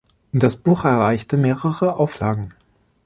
Das Buch erreichte mehrere Auflagen.